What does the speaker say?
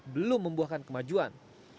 belum membuahkan kemajuan